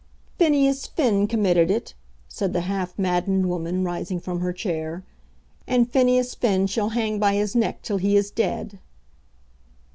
"Phineas Finn committed it," said the half maddened woman, rising from her chair. "And Phineas Finn shall hang by his neck till he is dead."